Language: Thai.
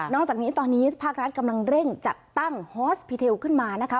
อกจากนี้ตอนนี้ภาครัฐกำลังเร่งจัดตั้งฮอสพีเทลขึ้นมานะคะ